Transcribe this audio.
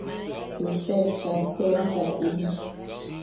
Éfel sa sorga e mo.